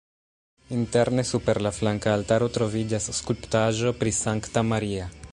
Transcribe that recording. Interne super la flanka altaro troviĝas skulptaĵo pri Sankta Maria.